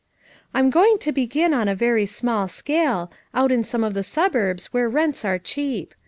"I'm going to begin on a very small scale, out in some of the suburbs where rents are cheap.